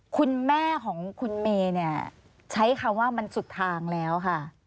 คุณแม่ของคุณเมย์เนี่ยใช้คำว่ามันสุดทางแล้วค่ะ